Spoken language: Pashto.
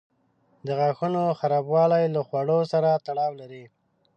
د غاښونو خرابوالی له خواړو سره تړاو لري.